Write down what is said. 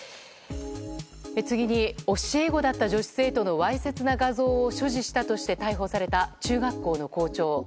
次に、教え子だった女子生徒のわいせつな画像を所持したとして逮捕された、中学校の校長。